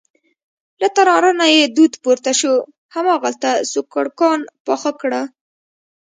له تناره نه یې دود پورته شو، هماغلته سوکړکان پاخه کړه.